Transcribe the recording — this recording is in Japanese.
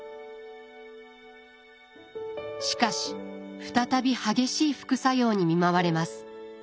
しかし再び激しい副作用に見舞われます。